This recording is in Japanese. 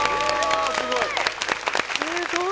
すごい。